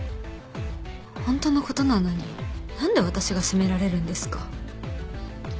ホントのことなのに何で私が責められるんですか？